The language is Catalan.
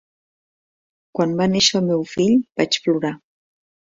Quan va néixer el meu fill, vaig plorar